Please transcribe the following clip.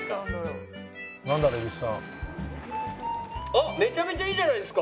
蛭子さん」あっめちゃめちゃいいじゃないですか！